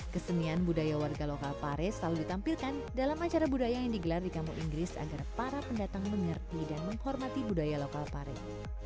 kesenian budaya warga lokal paris selalu ditampilkan dalam acara budaya yang digelar di kamu inggris agar para pendatang mengerti dan menghormati budaya lokal pare